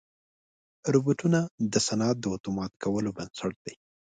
روبوټونه د صنعت د اتومات کولو بنسټ دي.